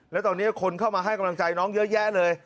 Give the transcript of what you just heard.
แล้วตอนนี้คนเข้ามาให้กำลังใจน้องเยอะแยะเลย